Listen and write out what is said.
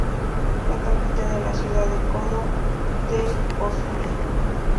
La capital es la ciudad de Codo del Pozuzo.